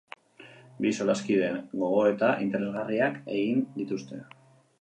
Bi solaskideen gogoeta interesgarriak egin dituzte.